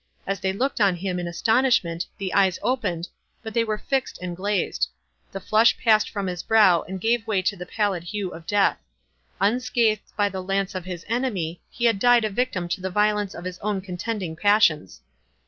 As they looked on him in astonishment, the eyes opened—but they were fixed and glazed. The flush passed from his brow, and gave way to the pallid hue of death. Unscathed by the lance of his enemy, he had died a victim to the violence of his own contending passions.